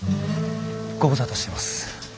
ご無沙汰してます。